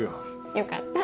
よかった。